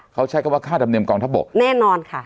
เขาใช้คำว่าค่าธรรมเนียมกองทัพบกแน่นอนค่ะ